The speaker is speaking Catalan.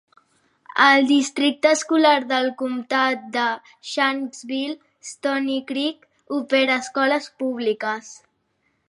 El Districte Escolar del Comtat de Shanksville-Stonycreek opera escoles públiques.